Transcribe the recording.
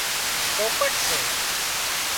پوپٽ سي